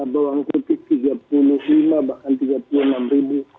bawang putih tiga puluh lima bahkan tiga puluh enam ribu